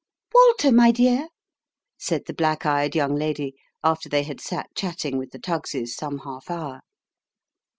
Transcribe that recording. " Walter, my dear," said the black eyed young lady, after they had sat chatting with the Tuggs's some half hour.